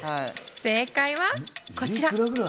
正解は、こちら。